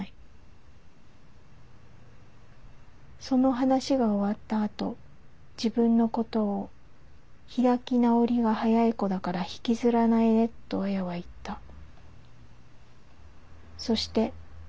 「その話が終わったあと自分のことを『開き直りが早い子だから引きずらないね』と亜矢はいった」。